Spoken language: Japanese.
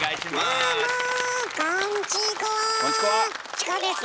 チコです！